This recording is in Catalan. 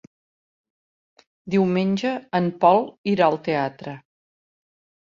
Diumenge en Pol irà al teatre.